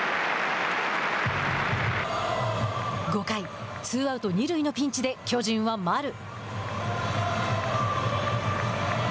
５回、ツーアウト、二塁のピンチで、巨人は丸。